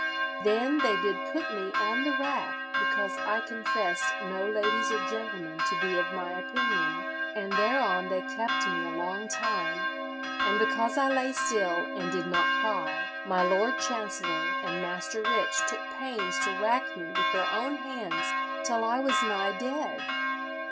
Then they did put me on the rack because I confessed no ladies or gentlemen to be of my opinion, and thereon they kept me a long time; and because I lay still, and did not cry, my Lord Chancellor and Master Rich took pains to rack me with their own hands till I was nigh dead.